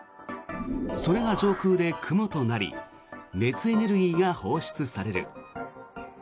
それが上空で雲となり熱エネルギーが放出される。